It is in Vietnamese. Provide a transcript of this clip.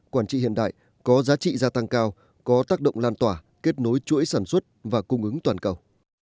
quản trị hiện đại có giá trị gia tăng cao có tác động lan tỏa kết nối chuỗi sản xuất và cung ứng toàn cầu